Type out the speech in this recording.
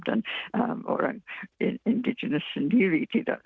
dan orang indigenous sendiri tidak